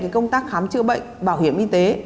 công tác khám chữa bệnh bảo hiểm y tế